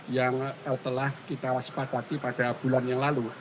yang telah kita sepakati pada bulan yang lalu